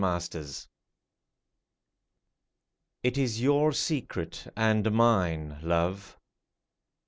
A SECRET It is your secret and mine, love